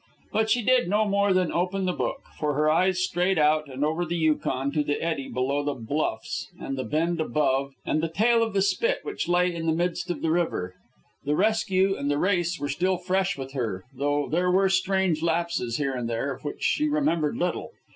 But she did no more than open the book; for her eyes strayed out and over the Yukon to the eddy below the bluffs, and the bend above, and the tail of the spit which lay in the midst of the river. The rescue and the race were still fresh with her, though there were strange lapses, here and there, of which she remembered little.